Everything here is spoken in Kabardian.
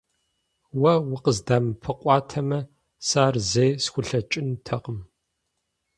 Уэ укъыздэмыӀэпыкъуатэмэ, сэ ар зэи схуэлъэкӀынутэкъым.